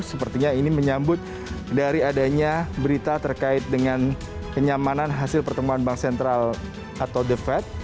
sepertinya ini menyambut dari adanya berita terkait dengan kenyamanan hasil pertemuan bank sentral atau the fed